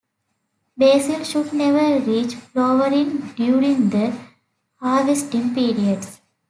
Basil should never reach flowering during the harvesting periods.